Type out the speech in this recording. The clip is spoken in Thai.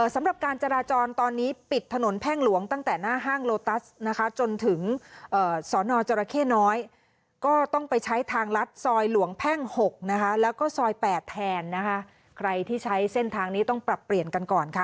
สำหรับการจราจรตอนนี้ปิดถนนแพ่งหลวงตั้งแต่หน้าห้างโลตัสนะคะ